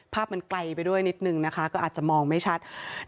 มันไกลไปด้วยนิดนึงนะคะก็อาจจะมองไม่ชัด